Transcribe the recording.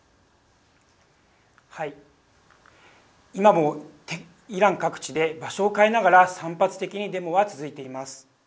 今もイラン各地で場所を変えながら散発的にデモは続いています。